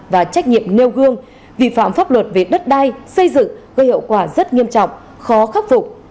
và trách nhiệm nêu gương vi phạm pháp luật về đất đai xây dựng gây hậu quả rất nghiêm trọng khó khắc phục